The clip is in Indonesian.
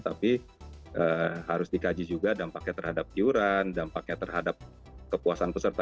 tapi harus dikaji juga dampaknya terhadap iuran dampaknya terhadap kepuasan peserta